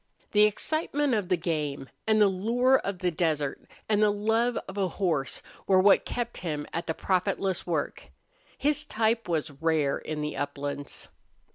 The excitement of the game, and the lure of the desert, and the love of a horse were what kept him at the profitless work. His type was rare in the uplands.